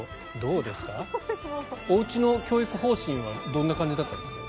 おうちの教育方針はどんな感じだったんですか？